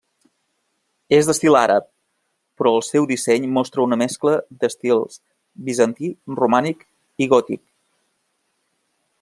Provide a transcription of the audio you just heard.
És d'estil àrab, però el seu disseny mostra una mescla d'estils bizantí, romànic i gòtic.